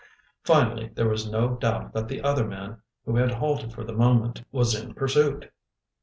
Finally, there was no doubt that the other man, who had halted for the moment, was in pursuit.